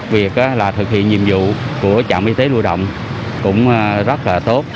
việc thực hiện nhiệm vụ của trạm y tế lưu động cũng rất là tốt